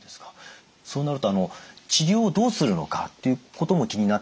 そうなると治療をどうするのかっていうことも気になってきますが。